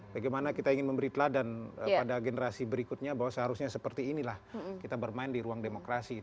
bagaimana kita ingin memberi teladan pada generasi berikutnya bahwa seharusnya seperti inilah kita bermain di ruang demokrasi